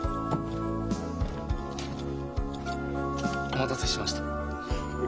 お待たせしました。